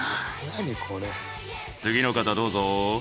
次の方どうぞ。